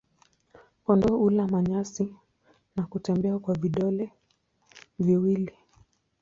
Kondoo hula manyasi na kutembea kwa vidole viwili.